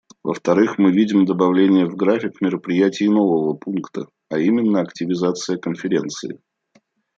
Во-вторых, мы видим добавление в график мероприятий нового пункта, а именно: активизация Конференции.